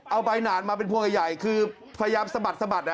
เอาใบหนานมาเป็นพวงใหญ่คือพยายามสะบัดสะบัด